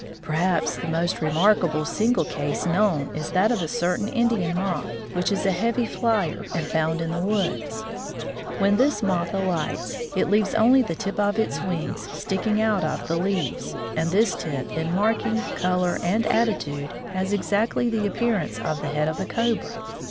Perhaps the most remarkable single case known is that of a certain Indian moth, which is a heavy flyer, and found in the woods. When this moth alights, it leaves only the tip of its wings sticking out of the leaves, and this tip, in marking, color, and attitude, has exactly the appearance of the head of a cobra.